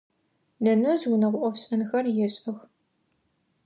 Нэнэжъ унэгъо ӏофшӏэнхэр ешӏэх.